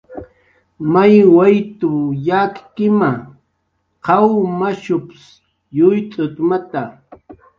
"May wayt""w yakkima, qaw mashups yuyt'utmata"